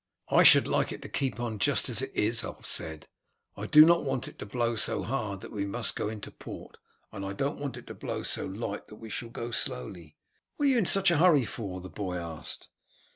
"I should like it to keep on just as it is," Ulf said. "I do not want it to blow so hard that we must go into port, and I don't want it to blow so light that we shall go slowly." "What are you in such a hurry for?" the boy asked.